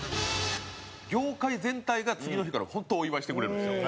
業界全体が、次の日から、本当お祝いしてくれるんですよ。